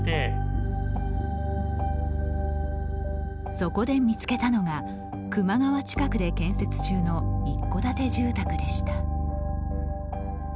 そこで見つけたのが球磨川近くで建設中の一戸建て住宅でした。